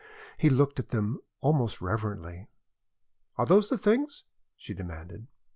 He looked at them almost reverently. "Are those the things?" she demanded.